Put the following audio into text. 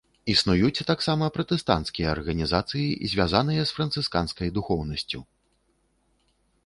Існуюць таксама пратэстанцкія арганізацыі, звязаныя з францысканскай духоўнасцю.